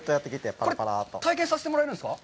これ、体験させてもらえるんですか？